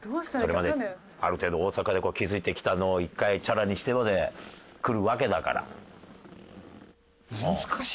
それまである程度大阪で築いてきたのを１回チャラにしてまで来るわけだから。